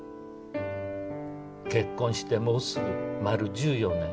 「“結婚してもうすぐ丸１４年”」